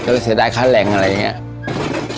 เสียดายค่าแรงอะไรอย่างนี้